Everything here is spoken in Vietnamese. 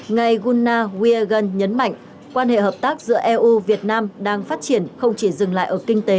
ngài guna wiegun nhấn mạnh quan hệ hợp tác giữa eu việt nam đang phát triển không chỉ dừng lại ở kinh tế